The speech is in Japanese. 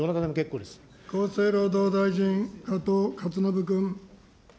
厚生労働大臣、加藤勝信君。